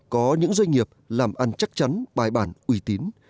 có những doanh nghiệp làm ăn chắc chắn bài bản uy tín